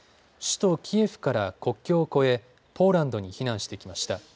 首都キエフから国境を越えポーランドに避難してきました。